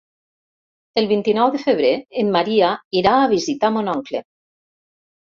El vint-i-nou de febrer en Maria irà a visitar mon oncle.